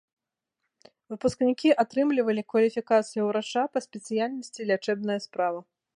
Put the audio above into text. Выпускнікі атрымлівалі кваліфікацыю ўрача па спецыяльнасці лячэбная справа.